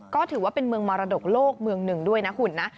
ก็ถือว่าเป็นเมืองมรดกโลกเมืองหนึ่งด้วยนะคุณนะ